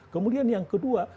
kemudian yang kedua